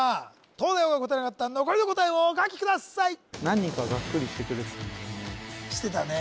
東大王が答えなかった残りの答えをお書きくださいしてたね